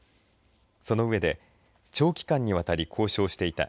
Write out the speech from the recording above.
その上で長期間にわたり交渉していた。